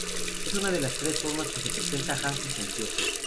Es una de las tres formas en que se presenta Hank en concierto.